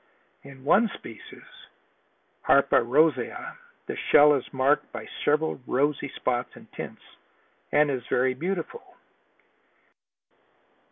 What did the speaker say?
In one species (Harpa rosea) the shell is marked by several rosy spots and tints, and is very beautiful.